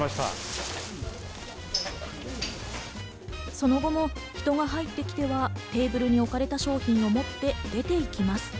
その後も人が入ってきては、テーブルに置かれた商品を持って出て行きます。